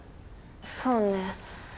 そうね